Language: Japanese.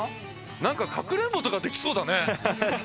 なんか、かくれんぼとかできそうだね。